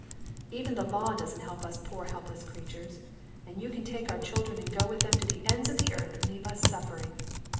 Even the law doesn't help us poor helpless creatures, and you can take our children and go with them to the ends of the earth and leave us suffering.